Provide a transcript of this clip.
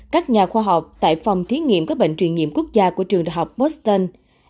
các nhà khoa học tại phòng thí nghiệm các bệnh truyền nhiệm quốc gia của trường đại học boston